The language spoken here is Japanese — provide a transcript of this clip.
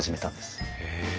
へえ。